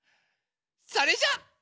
それじゃあ。